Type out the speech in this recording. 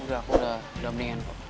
udah aku udah mendingan kok